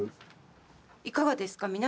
いかがですか？